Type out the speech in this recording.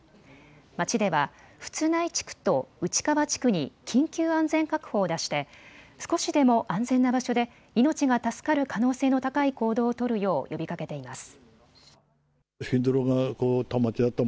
町では富津内地区と内川地区に緊急安全確保を出して少しでも安全な場所で命が助かる可能性の高い行動を取るよう呼びかけています。